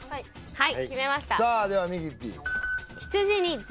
はい